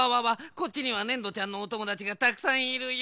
こっちにはねんどちゃんのおともだちがたくさんいるよ。